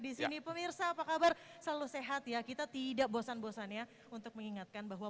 disini pemirsa apa kabar selalu sehat ya kita tidak bosan bosannya untuk mengingatkan bahwa